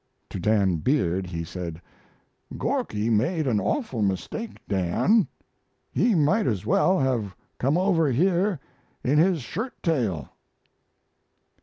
[To Dan Beard he said, "Gorky made an awful mistake, Dan. He might as well have come over here in his shirt tail."